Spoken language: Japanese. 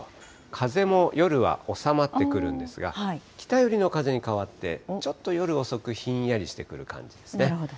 風も夜は収まってくるんですが、北寄りの風に変わって、ちょっと夜遅く、ひんやりしてくる感じですね。